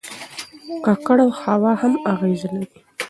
ککړه هوا هم اغېز لري.